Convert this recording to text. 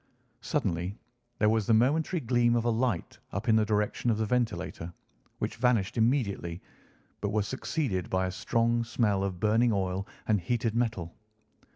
Suddenly there was the momentary gleam of a light up in the direction of the ventilator, which vanished immediately, but was succeeded by a strong smell of burning oil and heated metal.